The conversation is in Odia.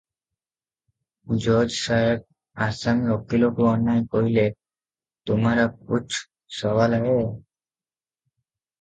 ଜଜ୍ ସାହେବ ଆସାମୀ ଓକିଲକୁ ଅନାଇ କହିଲେ - ତୁମାରା କୁଛ୍ ସବାଲ ହେ?